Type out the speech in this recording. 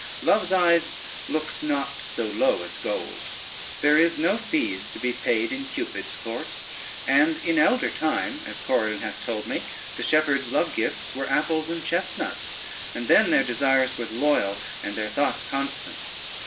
Love's eyes looks not so low as gold; there is no fees to be paid in Cupid's courts; and in elder time, as Corydon hath told me, the shepherds' love gifts were apples and chestnuts, and then their desires were loyal, and their thoughts constant.